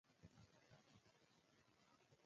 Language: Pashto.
ایا انسان غوښه خوړونکی دی؟